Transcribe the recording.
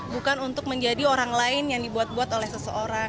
bukan untuk menjadi orang lain yang dibuat buat oleh seseorang